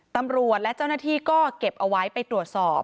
ตำรวจและเจ้าหน้าที่ก็เก็บเอาไว้ไปตรวจสอบ